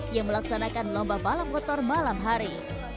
yang melaksanakan lomba balap motor malam hari